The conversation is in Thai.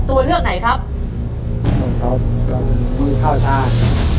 ตาเลือกตอบตัวเลือกไหนครับ